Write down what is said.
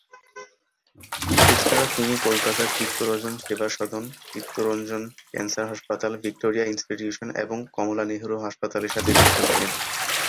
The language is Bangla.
এছাড়া তিনি কলকাতার চিত্তরঞ্জন সেবা সদন, চিত্তরঞ্জন ক্যান্সার হাসপাতাল, ভিক্টোরিয়া ইন্সটিটিউশন এবং কমলা নেহরু হাসপাতাল এর সাথে যুক্ত ছিলেন।